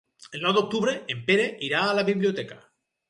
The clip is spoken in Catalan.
El nou d'octubre en Pere irà a la biblioteca.